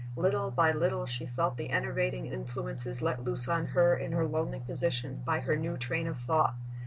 Little by little she felt the enervating influences let loose on her, in her lonely position, by her new train of thought.